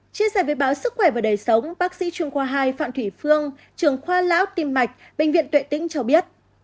chia sẻ với báo sức khỏe và đời sống bác sĩ chuyên khoa hai phạm thủy phương trường khoa lão tim mạch bệnh viện tuệ tĩnh cho biết